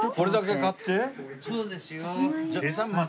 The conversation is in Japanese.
そうですよ。